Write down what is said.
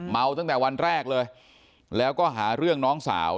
ตั้งแต่วันแรกเลยแล้วก็หาเรื่องน้องสาว